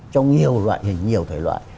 trong nhiều loại hình nhiều thể loại